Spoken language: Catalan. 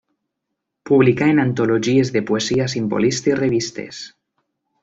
Publicà en antologies de poesia simbolista i revistes.